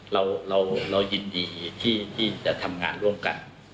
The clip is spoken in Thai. เรายินดีที่จะทำงานร่วมกัน